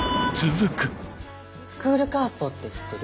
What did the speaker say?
スクールカーストって知ってる？